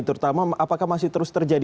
terutama apakah masih terus terjadi